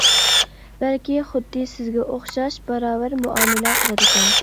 بەلكى خۇددى سىزگە ئوخشاش باراۋەر مۇئامىلە قىلىدىكەن.